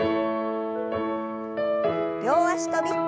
両脚跳び。